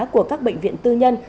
của các bệnh viện tư nhân